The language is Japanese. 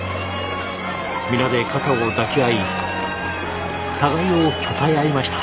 皆で肩を抱き合い互いをたたえ合いました。